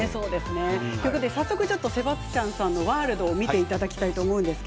早速ちょっとセバスチャンさんのワールドを見ていただきたいと思います。